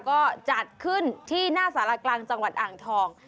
ก็จัดขึ้นที่หน้าสารกลางจังหวัดอ่างทอง